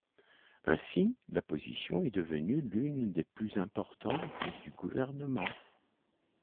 Ainsi, la position est devenue l'une des plus importantes du gouvernement.